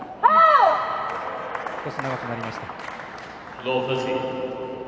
少し長くなりました。